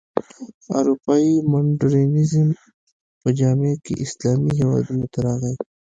اروپايي مډرنیزم په جامه کې اسلامي هېوادونو ته راغی.